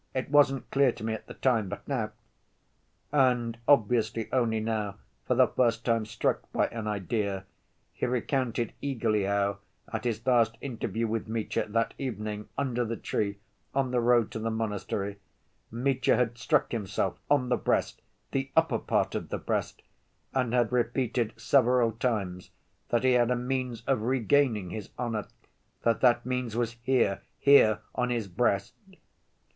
It wasn't clear to me at the time, but now—" And, obviously only now for the first time struck by an idea, he recounted eagerly how, at his last interview with Mitya that evening under the tree, on the road to the monastery, Mitya had struck himself on the breast, "the upper part of the breast," and had repeated several times that he had a means of regaining his honor, that that means was here, here on his breast.